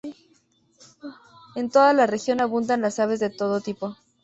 En toda la región abundan las aves de todo tipo.